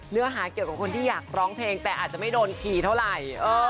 เนื้อหาเกี่ยวกับคนที่อยากร้องเพลงแต่อาจจะไม่โดนขี่เท่าไหร่